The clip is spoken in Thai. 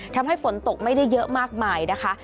ทำให้ฝนตกไม่ได้เยอะมากมายนะคะ